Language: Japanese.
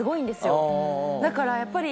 だからやっぱり。